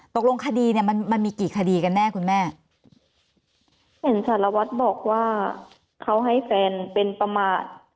ตกลงคดีเนี้ยมันมันมีกี่คดีกันแน่คุณแม่เห็นสารวัตรบอกว่าเขาให้แฟนเป็นประมาท